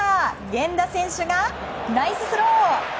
源田選手がナイススロー！